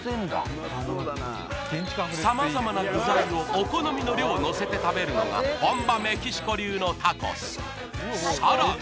様々な具材をお好みの量のせて食べるのが本場メキシコ流のタコスさらに